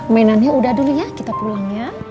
mainannya sudah dulu ya kita pulang ya